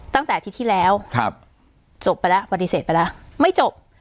ตั้งแต่อาทิตย์ที่แล้วครับจบไปแล้วปฏิเสธไปแล้วไม่จบ